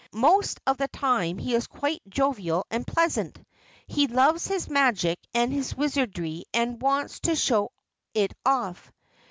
Most of the time he is quite jovial and pleasant. He loves his magic and his wizardry and wants to show off.